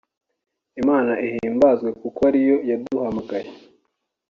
"Imana ihimbazwe kuko ari yo yaduhamagaye